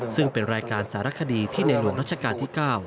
ซึ่งเป็นรายการสารคดีที่ในหลวงรัชกาลที่๙